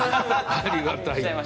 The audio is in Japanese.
ありがたいって。